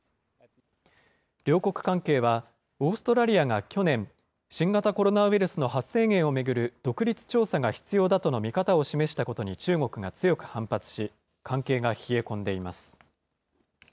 両国関係は、オーストラリアが去年、新型コロナウイルスの発生源を巡る独立調査が必要だとの見方を示したことに中国が強く反発し、関係が冷え込んでいます。